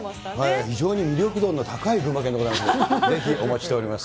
非常に魅力度の高い群馬県でございます。